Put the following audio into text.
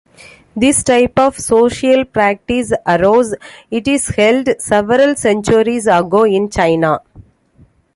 This type of social practice arose, it is held, several centuries ago in China.